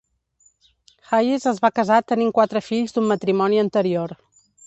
Hayes es va casar tenint quatre fills d'un matrimoni anterior.